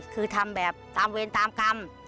คือทำแบบตามเวรตามกรรม